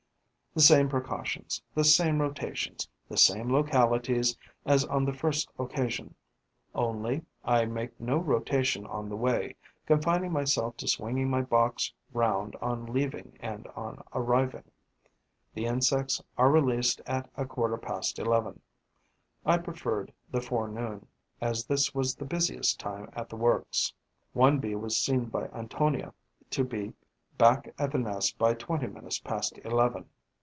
The same precautions, the same rotations, the same localities as on the first occasion; only, I make no rotation on the way, confining myself to swinging my box round on leaving and on arriving. The insects are released at a quarter past eleven. I preferred the forenoon, as this was the busiest time at the works. One Bee was seen by Antonia to be back at the nest by twenty minutes past eleven.